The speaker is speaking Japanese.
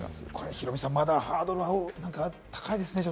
ヒロミさん、まだハードルは高いですね。